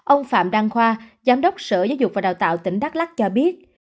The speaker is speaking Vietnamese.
ông phạm đăng khoa giám đốc sở giáo dục và đào tạo tỉnh đắk lắc cho biết